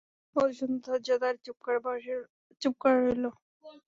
মধুসূদন ধৈর্য ধরে চুপ করে রইল।